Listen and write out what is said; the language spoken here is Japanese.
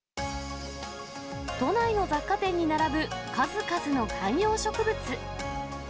都内の雑貨店に並ぶ数々の観葉植物。